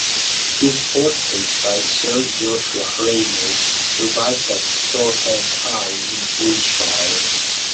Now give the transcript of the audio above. His portrait by Sir Joshua Reynolds survives at Stourhead House in Wiltshire.